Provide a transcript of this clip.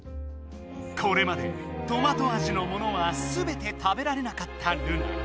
これまでトマト味のものはすべて食べられなかったルナ。